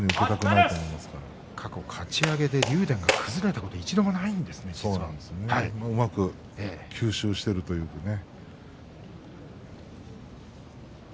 過去かち上げで竜電が崩れたことはうまく吸収しているんですね。